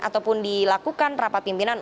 ataupun dilakukan rapat pimpinan